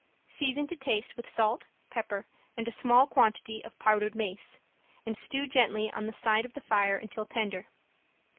Season to taste with salt, pepper and a small quantity of powdered mace, and stew gently on the side of the fire until tender.